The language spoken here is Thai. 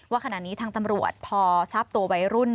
ขณะนี้ทางตำรวจพอทราบตัววัยรุ่น